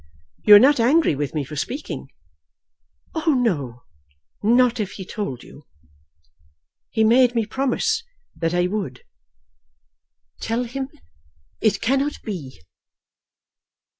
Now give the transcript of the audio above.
"You are not angry with me for speaking?" "Oh, no not if he told you." "He made me promise that I would." "Tell him it cannot be.